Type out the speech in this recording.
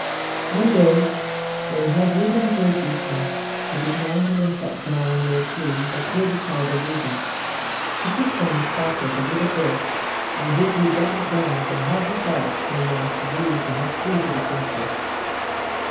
One day when he had ridden a great distance, he dismounted and sat down under a tree that grew beside a river. He took from his pocket a little book, in which he jotted down some happy thoughts that he meant to use in his plea to the Princess.